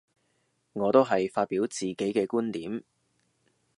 我都係發表自己嘅觀點